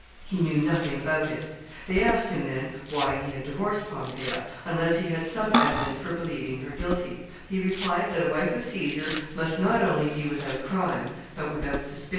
He knew nothing about it. They asked him, then, why he had divorced Pompeia, unless he had some evidence for believing her guilty, He replied, that a wife of Caesar must not only be without crime, but without suspicion.